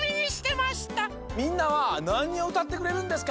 みんなはなにをうたってくれるんですか？